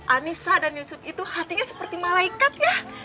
anissa dan yusuf itu hatinya seperti malaikat ya